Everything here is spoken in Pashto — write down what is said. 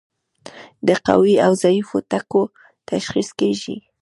د قوي او ضعیفو ټکو تشخیص کیږي.